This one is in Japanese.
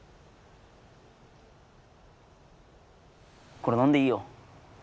これ飲んでいいよ。